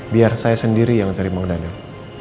biar saya sendiri yang cari mang dadang